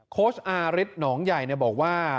โค้ชอาริสหนองใหญ่บอกว่า